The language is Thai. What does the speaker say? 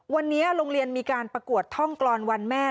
วันนี้โรงเรียนมีการประกวดท่องกรอนวันแม่